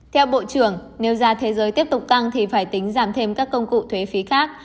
theo bộ trưởng nếu giá thế giới tiếp tục tăng thì phải tính giảm thêm các công cụ thuế phí khác